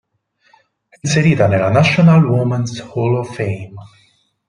È inserita nella National Women's Hall of Fame.